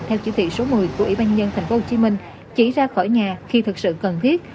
theo chỉ thị số một mươi của ủy ban nhân tp hcm chỉ ra khỏi nhà khi thực sự cần thiết